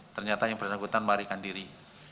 ternyata yang bersangkutan melarikan diri